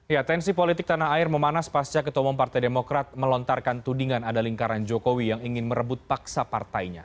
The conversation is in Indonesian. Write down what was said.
ya tensi politik tanah air memanas pasca ketemu partai demokrat melontarkan tudingan ada lingkaran jokowi yang ingin merebut paksa partainya